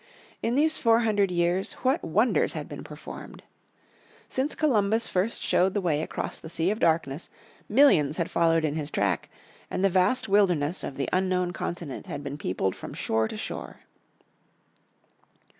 In these four hundred years what wonders had been performed! Since Columbus first showed the way across the Sea of Darkness millions had followed in his track, and the vast wilderness of the unknown continent had been people from shore to shore.